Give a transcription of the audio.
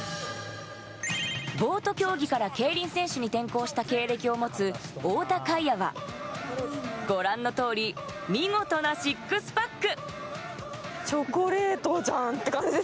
ボート競技から競輪選手に転向した経歴を持つ太田海也は、ご覧の通り、見事なシックスパック！